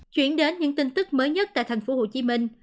chuyển đến những tin tức mới nhất tại thành phố hồ chí minh